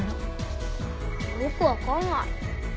よくわかんない。